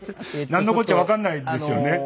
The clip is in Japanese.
なんのこっちゃわかんないですよね。